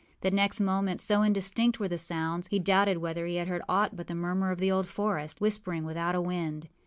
The next moment, so indistinct were the sounds, he doubted whether he had heard aught but the murmur of the old forest, whispering without a wind.